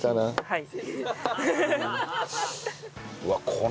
はい。